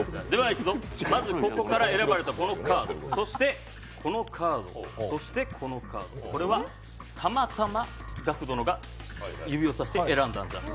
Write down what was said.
いくぞ、ここから選ばれたこのカード、そしてこのカード、これはたまたまガク殿が指をさして選んだんじゃ。